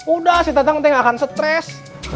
udah si tatang nanti gak akan stres